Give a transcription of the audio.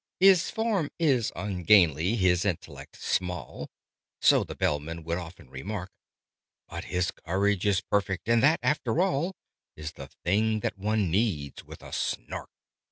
"His form is ungainly his intellect small " (So the Bellman would often remark) "But his courage is perfect! And that, after all, Is the thing that one needs with a Snark."